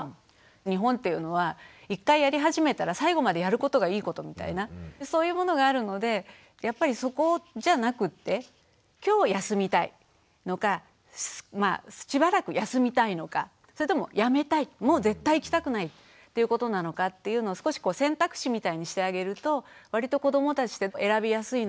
日本っていうのは一回やり始めたら最後までやることがいいことみたいなそういうものがあるのでやっぱりそこじゃなくって今日休みたいのかしばらく休みたいのかそれともやめたいもう絶対行きたくないっていうことなのかっていうのを少し選択肢みたいにしてあげると割と子どもたちって選びやすいのかなっていう。